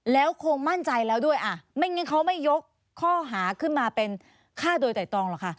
แล้วคงมั่นใจแล้วด้วยไม่งั้นเขาไม่ยกข้อหาขึ้นมาเป็นฆ่าโดยไตรตรองหรอกค่ะ